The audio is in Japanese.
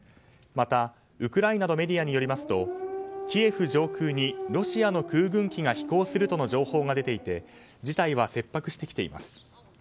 また、ウクライナのメディアによりますとキエフ上空にロシアの空軍機が飛行するとの情報が出ていて事態は切迫してきています。